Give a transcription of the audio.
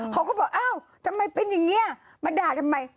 เขาก็บอกอ้าวทำไมเป็นอย่างนี้มาด่าทำไม